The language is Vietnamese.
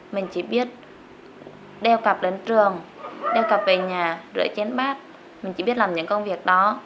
mình chỉ biết đeo cặp đến trường đeo cặp về nhà rửa chén bát mình chỉ biết làm những công việc đó